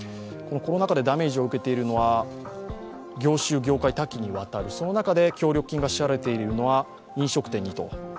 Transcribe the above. このコロナ禍でダメージを受けているのは業種・業界、多岐にわたる、その中で協力金が支払われているのは飲食店にと。